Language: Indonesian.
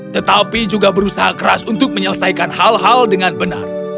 tetapi juga berusaha keras untuk menyelesaikan hal hal dengan benar